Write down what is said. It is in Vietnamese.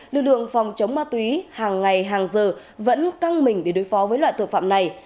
lực lượng phòng chống ma túy hàng ngày hàng giờ vẫn căng mình để đối phó với loại tội phạm này